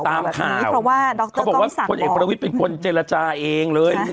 ตามข่าวเพราะว่าด็อกเตอร์ต้องสั่งออกเขาบอกว่าคนเอกพระวิทย์เป็นคนเจรจาเองเลยใช่